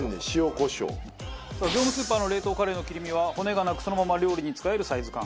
業務スーパーの冷凍カレイの切り身は骨がなくそのまま料理に使えるサイズ感。